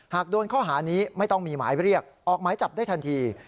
โดนข้อหานี้ไม่ต้องมีหมายเรียกออกหมายจับได้ทันที